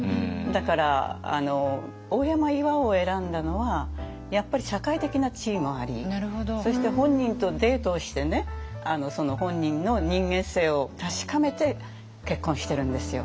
だから大山巌を選んだのはやっぱり社会的な地位もありそして本人とデートをしてねその本人の人間性を確かめて結婚してるんですよ。